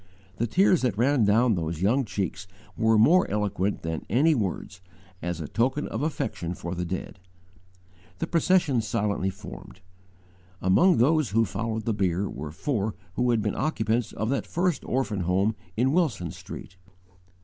The tears that ran down those young cheeks were more eloquent than any words, as a token of affection for the dead. The procession silently formed. Among those who followed the bier were four who had been occupants of that first orphan home in Wilson Street.